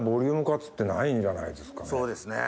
そうですね。